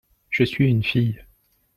Je suis une fille.